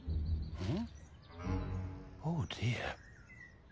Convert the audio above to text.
うん！